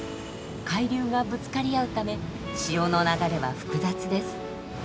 海流がぶつかり合うため潮の流れは複雑です。